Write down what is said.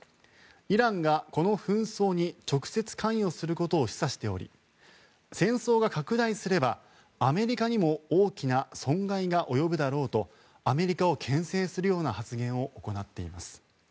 イランがこの紛争に直接関与することを示唆しており戦争が拡大すればアメリカにも大きな損害が及ぶだろうとアメリカを牽制するような発言を行っています。